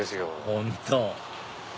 本当！